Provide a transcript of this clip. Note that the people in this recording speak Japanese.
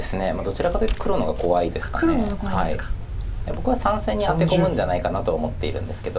僕は３線にアテ込むんじゃないかなと思っているんですけど。